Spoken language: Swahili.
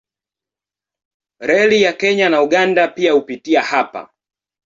Reli ya Kenya na Uganda pia hupitia hapa.